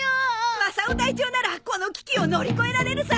マサオ隊長ならこの危機を乗り越えられるさ！